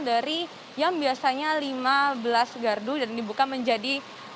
dari yang biasanya lima belas gardu dan dibuka menjadi